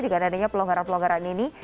dikarenanya pelonggaran pelonggaran ini